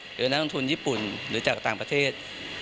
หรือนักลงทุนญี่ปุ่นหรือจากต่างประเทศ